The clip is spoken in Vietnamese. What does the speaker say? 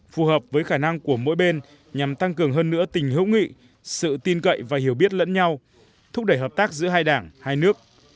phù hợp với khả năng của mỗi bên nhằm tăng cường hơn nữa tình hữu nghị sự tin cậy và hiểu biết lẫn nhau thúc đẩy hợp tác giữa hai đảng hai nước